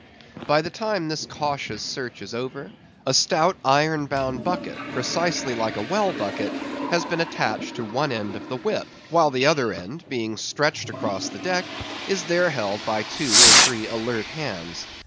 By the time this cautious search is over, a stout iron bound bucket, precisely like a well bucket, has been attached to one end of the whip; while the other end, being stretched across the deck, is there held by two or three alert hands.